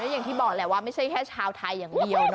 อย่างที่บอกแหละว่าไม่ใช่แค่ชาวไทยอย่างเดียว